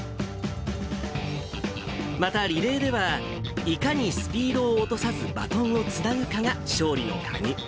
またリレーでは、いかにスピードを落とさずバトンをつなぐかが勝利の鍵。